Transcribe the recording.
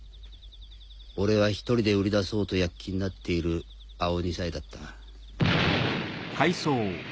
俺は１人で売り出そうとやっきになっている青二才だった。